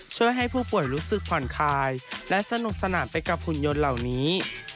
ช่วยให้ผู้ป่วยรู้สึกผ่อนคลายและสนุกสนานไปกับหุ่นยนต์เหล่านี้